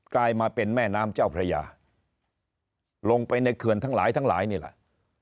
กลายมาเป็นแม่น้ำเจ้าพระยาลงไปในเขื่อนทั้งหลายทั้งหลายนี่แหละ